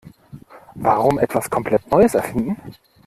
Warum etwas komplett Neues erfinden?